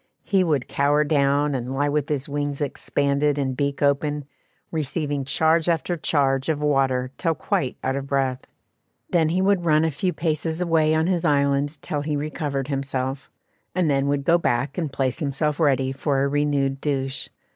He would cower down, and lie with his wings expanded and beak open, receiving charge after charge of water till quite out of breath; then he would run a few paces away on his island till he recovered himself, and then would go back and place himself ready for a renewed douche.